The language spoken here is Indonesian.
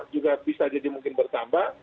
juga bisa jadi mungkin bertambah